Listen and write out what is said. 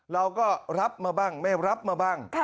เราก็รับมาบ้างไม่รับมาบ้าง